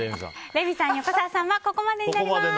レミさん、横澤さんはここまでになります。